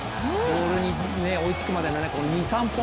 ボールに追いつくまでの２、３歩。